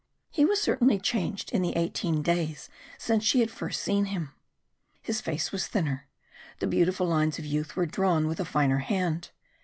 He was certainly changed in the eighteen days since she had first seen him. His face was thinner, the beautiful lines of youth were drawn with a finer hand.